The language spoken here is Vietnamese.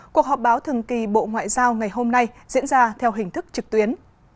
cuộc họp báo thường kỳ bộ ngoại giao ngày hôm nay diễn ra theo hình thức trực tuyến